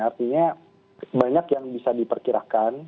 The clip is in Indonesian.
artinya banyak yang bisa diperkirakan